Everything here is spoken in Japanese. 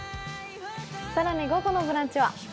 更に午後の「ブランチ」は？